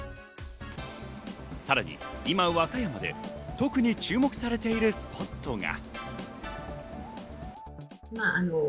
さらに今、和歌山で特に注目されているスポットが。